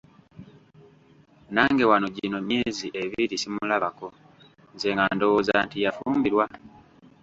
Nange wano gino myezi ebiri simulabako, nze nga ndowooza nti yafumbirwa.